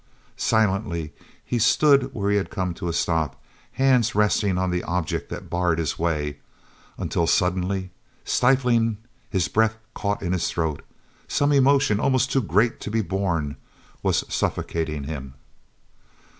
Silently he stood where he had come to a stop, hands resting on the object that barred his way—until suddenly, stiflingly, his breath caught in his throat. Some emotion, almost too great to be borne, was suffocating him.